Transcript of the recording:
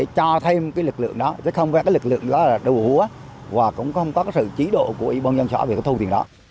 cho lực lượng trở lợn đi tiêu hủy